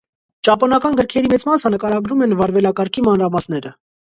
Ճապոնական գրքերի մեծ մասը նկարագրում են վարվելակարգի մանրամասները։